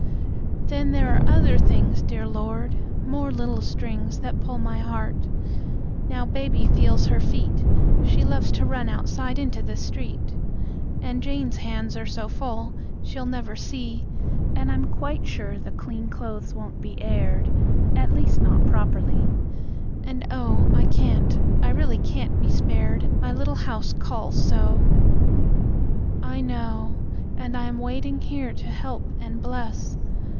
Then, there are other things, Dear Lord ... more little strings That pull my heart. Now Baby feels her feet She loves to run outside into the street And Jane's hands are so full, she'll never see. ... And I'm quite sure the clean clothes won't be aired At least, not properly. And, oh, I can't, I really can't be spared My little house calls so! I know. And I am waiting here to help and bless.